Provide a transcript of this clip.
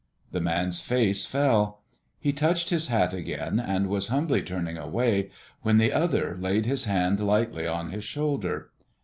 The man's face fell. He touched his hat again and was humbly turning away, when the other laid his hand lightly on his shoulder.